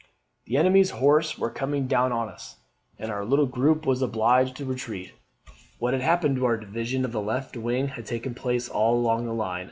"The enemy's horse were coming down on us, and our little group was obliged to retreat. 'What had happened to our division of the left wing had taken place all along the line.